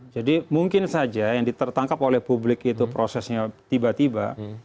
jadi mungkin saja yang ditertangkap oleh publik itu prosesnya tiba tiba